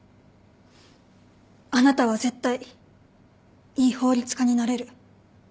あなたは絶対いい法律家になれる。